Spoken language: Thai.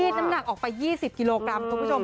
น้ำหนักออกไป๒๐กิโลกรัมคุณผู้ชม